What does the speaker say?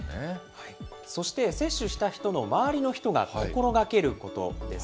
そして、接種した人の周りの人が心がけることです。